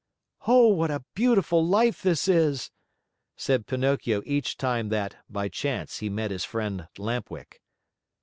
"Oh, what a beautiful life this is!" said Pinocchio each time that, by chance, he met his friend Lamp Wick.